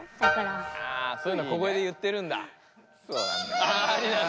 あそういうの小声で言ってるんだ。